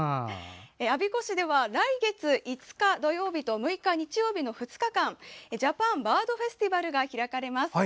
我孫子市では来月５日、土曜日と６日、日曜日の２日間ジャパンバードフェスティバルが開かれます。